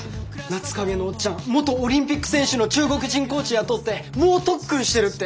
夏影のオッチャン元オリンピック選手の中国人コーチ雇って猛特訓してるって。